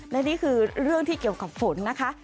และนี่คือเรื่องที่เกี่ยวกับฝนนะคะ